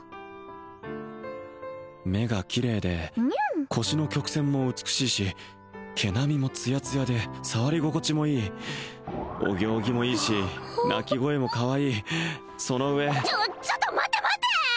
目がキレイで腰の曲線も美しいし毛並みもツヤツヤで触り心地もいいお行儀もいいし鳴き声もかわいいその上ちょちょっと待て待て！